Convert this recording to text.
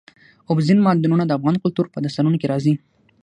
اوبزین معدنونه د افغان کلتور په داستانونو کې راځي.